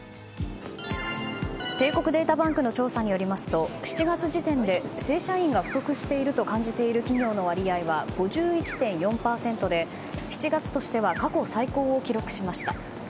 帝国データバンクの調査によりますと７月時点で正社員が不足していると感じている企業の割合は５１．４％で７月としては過去最高を記録しました。